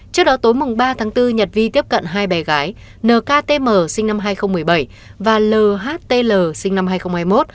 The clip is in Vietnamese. trước đó tối mùng ba tháng bốn nhật vi tiếp cận hai bé gái nktm sinh năm hai nghìn một mươi bảy và lhtl sinh năm hai nghìn hai mươi một